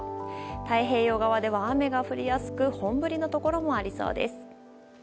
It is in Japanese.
太平洋側では雨が降りやすく本降りのところもありそうです。